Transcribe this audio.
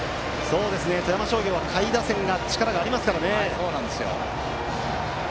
富山商業は下位打線に力がありますからね。